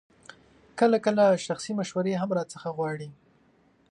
کله کله شخصي مشورې هم راڅخه غواړي.